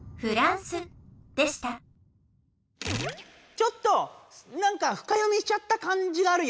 ちょっとなんかふか読みしちゃったかんじがあるよね。